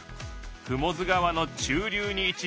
雲出川の中流に位置している。